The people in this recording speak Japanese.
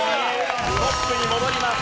トップに戻ります。